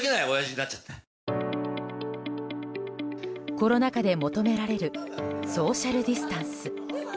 コロナ禍で求められるソーシャルディスタンス。